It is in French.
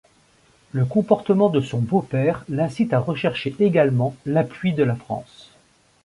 Le comportement de son beau-père l'incite à rechercher également l'appui de la France.